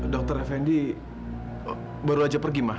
dokter effendi baru saja pergi ma